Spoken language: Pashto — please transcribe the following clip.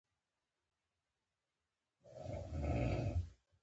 ممکن دغه هوس د مرګ په خوله کې ورکړي.